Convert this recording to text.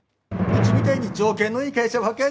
うちみたいに条件のいい会社はほかに。